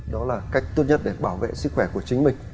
đó là cách tốt nhất để bảo vệ sức khỏe của chính mình